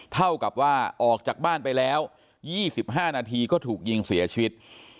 เท่ากับว่าออกจากบ้านไปแล้ว๒๕นาทีก็ถูกยิงเสียชีวิต